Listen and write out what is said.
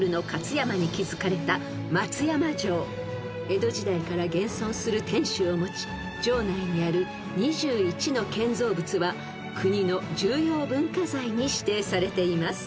［江戸時代から現存する天守を持ち城内にある２１の建造物は国の重要文化財に指定されています］